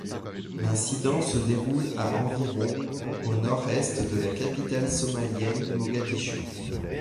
L'incident se déroule à environ au Nord-Est de la capitale somalienne, Mogadiscio.